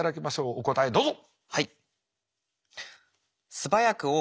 お答えどうぞ！